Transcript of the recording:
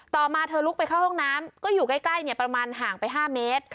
มาเธอลุกไปเข้าห้องน้ำก็อยู่ใกล้ประมาณห่างไป๕เมตร